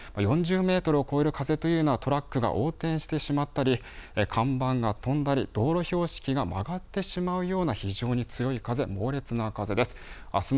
４０メートルを超える風というのは、トラックが横転してしまったり、看板が飛んだり、道路標識が曲がってしまうような非常に強い風、猛烈な風です。